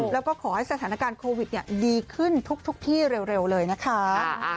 แล้วก็ขอให้สถานการณ์โควิดดีขึ้นทุกที่เร็วเลยนะคะ